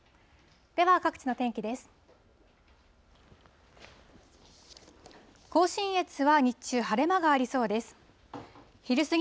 では各地の天気です。